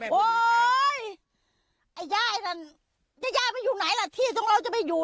แม่โอ้ยไอ้ย่าไอ้นั่นย่าย่าไม่อยู่ไหนล่ะที่ตรงเราจะไปอยู่